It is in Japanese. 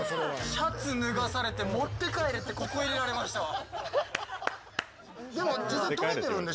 シャツ脱がされて、持って帰れってここ入れられましたわ。